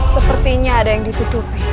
sepertinya ada yang ditutupi